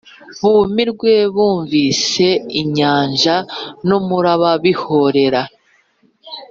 Bumirwe bumvise inyanja n umuraba bihorera